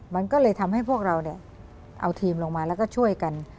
มันก็เลยทำให้พวกเราเอาทีมลงมาแล้วก็ช่วยกัน